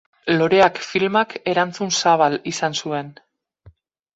Loreak filmak erantzun zabal izan zuen.